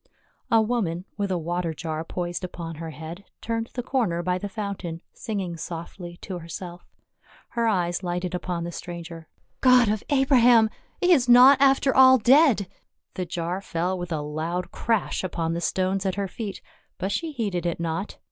A woman, with a water jar poised upon her head, turned the corner by the fountain singing softly to her self; her eyes lighted upon the stranger. "God of Abraham ! he is not after all dead !" The jar fell with a loud crash upon the stones at her feet, but she heeded it not.